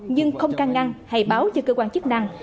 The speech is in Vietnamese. nhưng không can ngăn hay báo cho cơ quan chức năng